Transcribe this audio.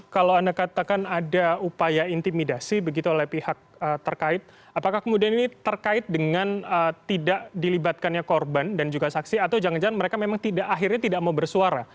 kalau anda katakan ada upaya intimidasi begitu oleh pihak terkait apakah kemudian ini terkait dengan tidak dilibatkannya korban dan juga saksi atau jangan jangan mereka memang akhirnya tidak mau bersuara